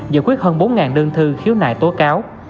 giải quyết hơn bốn đơn thư khiếu nại tố cáo